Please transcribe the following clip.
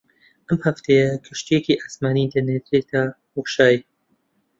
ئەم هەفتەیە کەشتییەکی ئاسمانی دەنێرێتە بۆشایی